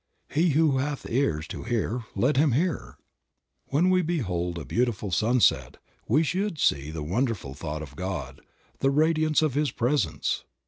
"He who hath ears to hear, let him hear." When we behold a beautiful sunset we should see the wonderful thought of God, the radiance of his presence.